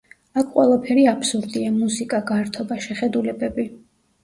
აქ ყველაფერი აბსურდია: მუსიკა, გართობა, შეხედულებები.